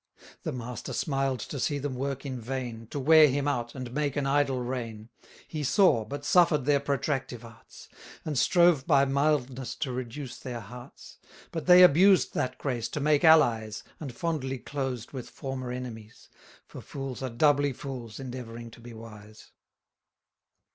The master smiled to see them work in vain, To wear him out, and make an idle reign: He saw, but suffer'd their protractive arts, And strove by mildness to reduce their hearts: But they abused that grace to make allies, And fondly closed with former enemies; For fools are doubly fools, endeavouring to be wise.